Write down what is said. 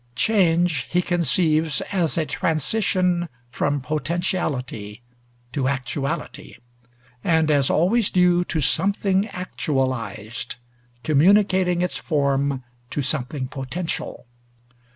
Change he conceives as a transition from potentiality to actuality, and as always due to something actualized, communicating its form to something potential.